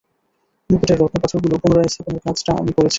মুকুটের রত্ন-পাথরগুলো পুনঃ-স্থাপনের কাজটা আমি করেছি।